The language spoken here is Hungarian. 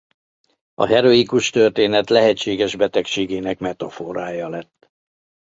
A heroikus történet lehetséges betegségének metaforája lett.